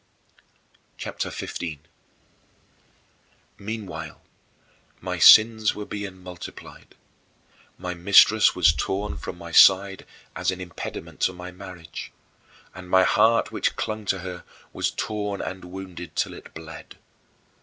" CHAPTER XV 25. Meanwhile my sins were being multiplied. My mistress was torn from my side as an impediment to my marriage, and my heart which clung to her was torn and wounded till it bled.